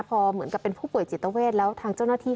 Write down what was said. พอเหมือนกับเป็นผู้ป่วยจิตเวทแล้วทางเจ้าหน้าที่